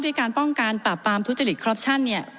การป้องกันปราบปรามทุจริตคอปชั่นเนี่ย